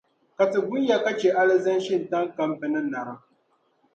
Ka Ti gunya ka chɛ alizin’ shintaŋ kam bɛ ni narim.